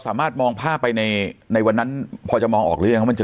สามารถมองภาพไปในวันนั้นพอจะมองออกหรือยังว่ามันจะ